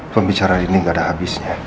pembicaraan ini enggak habisnya